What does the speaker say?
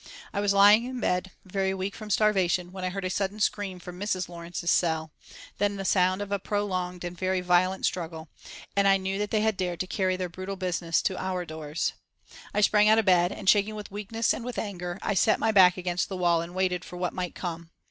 I was lying in bed, very weak from starvation, when I heard a sudden scream from Mrs. Lawrence's cell, then the sound of a prolonged and very violent struggle, and I knew that they had dared to carry their brutal business to our doors. I sprang out of bed and, shaking with weakness and with anger, I set my back against the wall and waited for what might come.